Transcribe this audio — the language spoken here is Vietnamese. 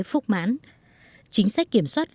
phúc mãn chính sách kiểm soát